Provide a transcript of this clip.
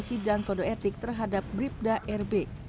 sidang kode etik terhadap bribda rb